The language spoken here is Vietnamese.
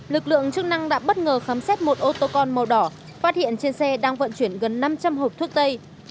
lực lượng chức năng đã bất ngờ khám xét một ô tô con màu đỏ phát hiện trên xe đang vận chuyển gần năm trăm linh hộp thuốc tây